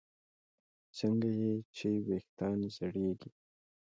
څنګه چې ویښتان زړېږي